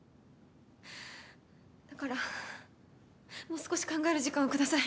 だからもう少し考える時間をください